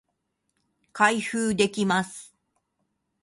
開封できます